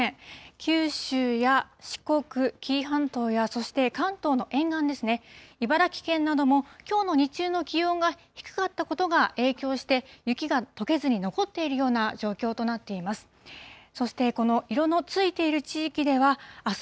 九州や四国、紀伊半島やそして、関東の沿岸ですね、茨城県などもきょうの日中の気温が低かったことが影響して、雪がとけずに残っているような状況となっています。